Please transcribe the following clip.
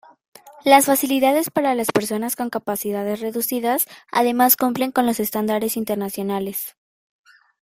Las facilidades para las personas con capacidades reducidas además cumplen con los estándares internacionales.